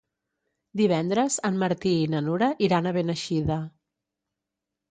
Divendres en Martí i na Nura iran a Beneixida.